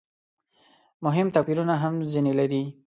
مهم توپیرونه هم ځنې لري.